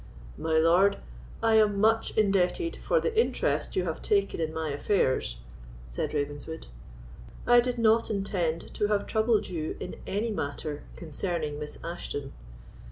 "My lord, I am much indebted for the interest you have taken in my affairs," said Ravenswood. "I did not intend to have troubled you in any matter concerning Miss Ashton.